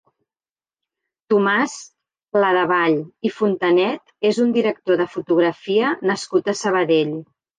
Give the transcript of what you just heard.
Tomàs Pladevall i Fontanet és un director de fotografia nascut a Sabadell.